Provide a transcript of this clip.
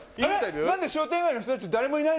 なんで商店街の人たち、誰もいないの。